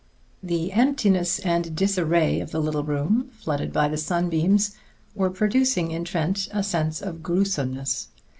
The emptiness and disarray of the little room, flooded by the sunbeams, were producing in Trent a sense of gruesomeness.